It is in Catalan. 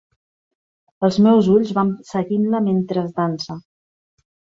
Els meus ulls van seguint-la mentres dansa.